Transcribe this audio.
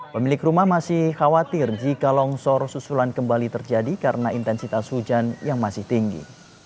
pemilik rumah masih khawatir jika longsor susulan kembali terjadi karena intensitas hujan yang masih tinggi